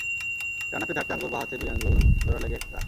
ডান হাতে চারটি আঙুল, বাঁ হাতে দুই আঙুল জোড়া লেগে একাকার।